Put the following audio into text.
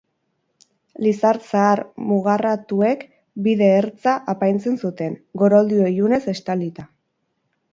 Lizar zahar mugarratuek bide ertza apaintzen zuten, goroldio ilunez estalita.